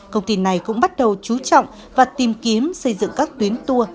công ty này cũng bắt đầu chú trọng và tìm kiếm xây dựng các tuyến tour